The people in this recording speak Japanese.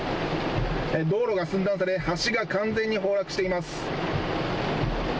道路が寸断され橋が完全に崩落しています。